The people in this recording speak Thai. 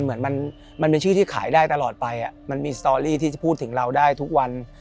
เหมือนมันเป็นชื่อที่ขายได้ตลอดไปมันมีสตอรี่ที่จะพูดถึงเราได้ทุกวัน